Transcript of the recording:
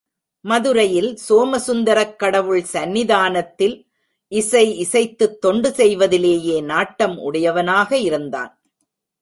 மதுரையில் சோமசுந்தரக் கடவுள் சந்நிதானத்தில் இசை இசைத்துத் தொண்டு செய்வதிலேயே நாட்டம் உடையவனாக இருந்தான்.